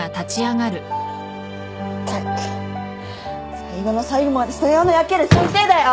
ったく最後の最後まで世話の焼ける先生だよ！